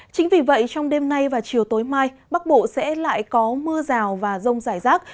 chính vì vậy trong đêm nay và chiều tối mai bắc bộ sẽ lại có mưa rào và rông rải rác